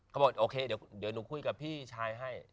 บอกโอเคเดี๋ยวหนูคุยกับพี่ชายให้